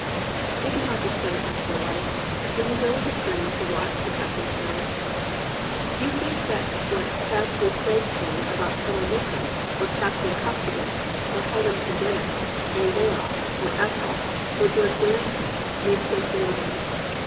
Is it not just so in actual life, when you go with a friend to watch the passing show ? Do you think that what Thack 122 THACKERAY AND REAL MEN eray says to you about Colonel Newcome, or Cap tain Costigan, or Helen Pendennis, or Laura, or Ethel, or George Warrington, makes them fade away?